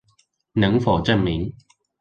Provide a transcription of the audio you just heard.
能否證明